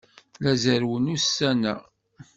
La zerrwen ussan-a.